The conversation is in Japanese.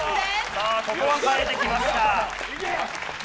ここは変えてきました。